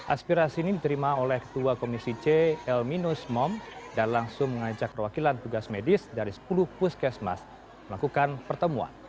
aspirasi ini diterima oleh ketua komisi c elminus mom dan langsung mengajak perwakilan tugas medis dari sepuluh puskesmas melakukan pertemuan